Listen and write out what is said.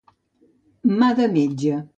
Mà de metge.